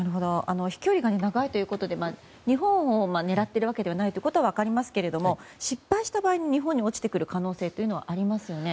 飛距離が長いということで日本を狙っているわけではないということは分かりますけれども失敗した場合に日本に落ちてくる可能性はありますよね。